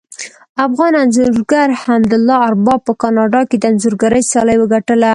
افغان انځورګر حمدالله ارباب په کاناډا کې د انځورګرۍ سیالي وګټله